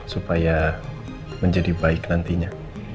supaya menjadi baik nantinya